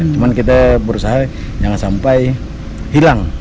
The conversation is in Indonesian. cuma kita berusaha jangan sampai hilang